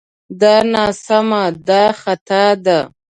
دا ناسمه دا خطا ده